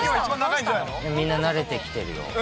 みんな慣れてきてるよ。